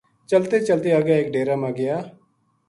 چلتیں چلتیں اَگے ایک ڈیرہ ما گیا